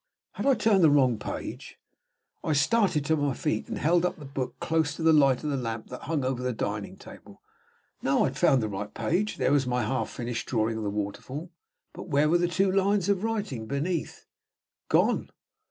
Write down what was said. Had I turned to the wrong page? I started to my feet, and held the book close to the light of the lamp that hung over the dining table. No: I had found the right page. There was my half finished drawing of the waterfall but where were the two lines of writing beneath? Gone!